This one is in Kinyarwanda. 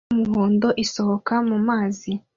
Imbwa nini y'umukara n'umuhondo isohoka mu mazi